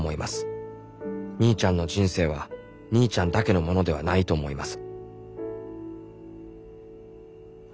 兄ちゃんの人生は兄ちゃんだけのものではないと思います